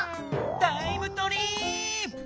タイムトリーップ！